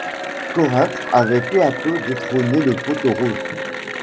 Corinthe avait peu à peu détrôné le Pot-aux-Roses.